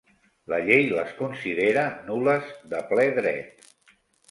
La llei les considera nul·les de ple dret.